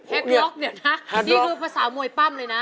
ย็อกเนี่ยนะนี่คือภาษามวยปั้มเลยนะ